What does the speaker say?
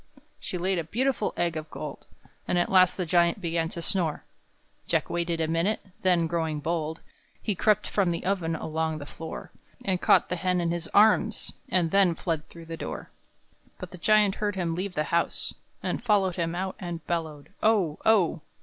She laid a beautiful egg of gold; And at last the Giant began to snore; Jack waited a minute, then, growing bold, He crept from the oven along the floor, And caught the hen in his arms, and then Fled through the door. But the Giant heard him leave the house, And followed him out, and bellowed "Oh oh!"